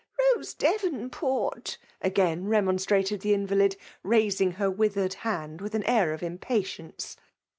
Rose Devonport! again remon strated the invalid, raising her withered hand with' an air of impatience.